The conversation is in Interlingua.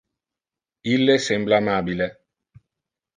Ille sembla amabile.